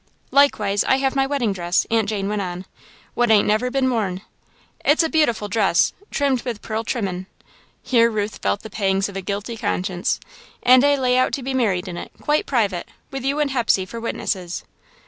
"Likewise I have my weddin' dress," Aunt Jane went on, "what ain't never been worn. It's a beautiful dress trimmed with pearl trimmin'" here Ruth felt the pangs of a guilty conscience "and I lay out to be married in it, quite private, with you and Hepsey for witnesses."